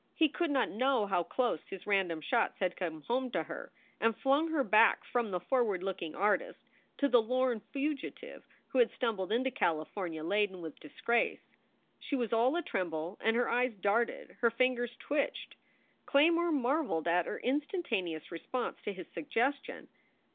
He could not know how close his random shots had come home to her and flung her back from the forward looking artist to the 226 SOULS FOR SALE lorn fugitive who had stumbled into California laden with disgrace. She was all atremble and her eyes darted, her fingers twitched. Claymore marveled at her instantaneous response to his suggestion.